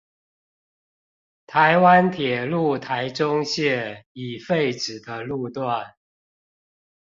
臺灣鐵路臺中線已廢止的路段